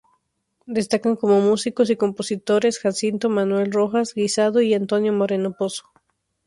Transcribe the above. Destacan como músicos y compositores Jacinto Manuel Rojas Guisado y Antonio Moreno Pozo.